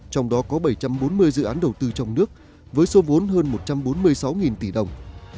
trong đó có bảy trăm bốn mươi dự án đầu tư trong nước với số vốn hơn một trăm bốn mươi sáu tỷ đồng